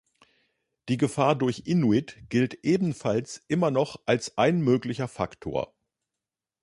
Die Gefahr durch Inuit gilt ebenfalls immer noch als ein möglicher Faktor.